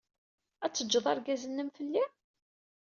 Ad teǧǧed argaz-nnem fell-i?